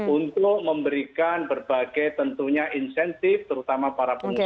untuk memberikan berbagai tentunya insentif terutama para pengusaha